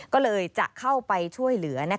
ก็เลยจะเข้าไปช่วยเหลือ